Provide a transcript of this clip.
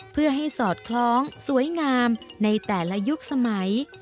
เพื่อให้สอดคล้องสวยงามในแต่ละยุคสมัย